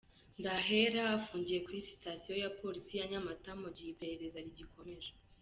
Ndahera afungiye kuri sitasiyo ya polisi ya Nyamata mugihe iperereza rigikomeje.